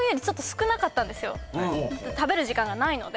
食べる時間がないので。